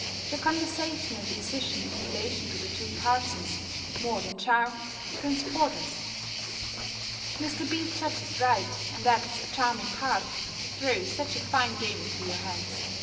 Your conversation and decision in relation to the two parsons (more than charm) transport us. Mr. B. judges right, and acts a charming part, to throw such a fine game into your hands.